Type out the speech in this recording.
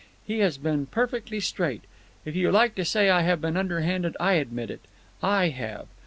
He has been perfectly straight. If you like to say I have been underhanded, I admit it. I have.